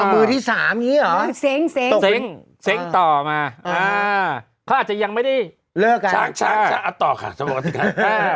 มือที่๓อย่างนี้หรอเซ้งต่อมาเขาอาจจะยังไม่ได้ช้างอัตต่อค่ะสมมติครับ